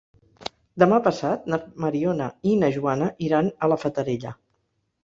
Demà passat na Mariona i na Joana iran a la Fatarella.